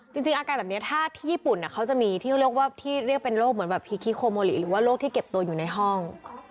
จริงอาการแบบนี้ถ้าที่ญี่ปุ่นเขาจะมีที่เขาเรียกว่าที่เรียกเป็นโรคเหมือนแบบพีคิโคโมลิหรือว่าโรคที่เก็บตัวอยู่ในห้อง